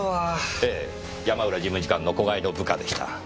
ええ山浦事務次官の子飼いの部下でした。